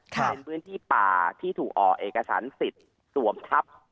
เป็นพื้นที่ป่าที่ถูกออกเอกสารสิทธิ์สวมทัพ